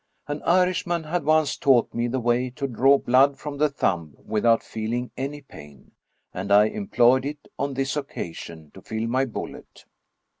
An Irishman had once taught me the way to draw blood from the thimib without feeling any pain, and I employed it on this occasion to fill my bullet.